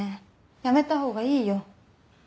やめた方がいいよ。